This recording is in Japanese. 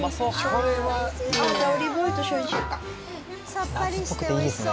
さっぱりして美味しそう。